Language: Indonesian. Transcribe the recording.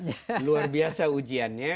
ini luar biasa ujiannya